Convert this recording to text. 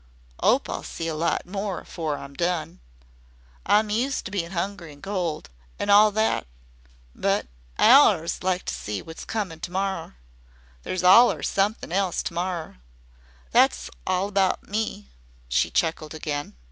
'Ope I'll see a lot more afore I'm done. I'm used to bein' 'ungry an' cold, an' all that, but but I allers like to see what's comin' to morrer. There's allers somethin' else to morrer. That's all about ME," and she chuckled again.